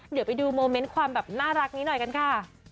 เดี๋ยวไปดูโมเมนต์ความแบบน่ารักนี้หน่อยกันค่ะ